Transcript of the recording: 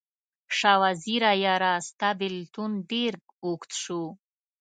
شاه وزیره یاره، ستا بیلتون ډیر اوږد شو